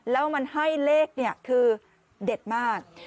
แล้วมันให้เลขคือเด็ดมาก